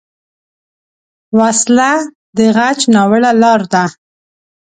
وسله د غچ ناوړه لاره ده